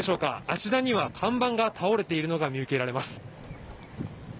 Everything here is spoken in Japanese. あちらには看板が倒れているのが見受けられます。